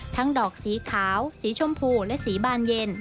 ดอกสีขาวสีชมพูและสีบานเย็น